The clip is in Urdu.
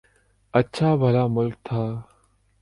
اچھا بھلا ملک تھا۔